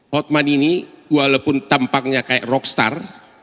hotman ini walaupun tampaknya kayak rockstar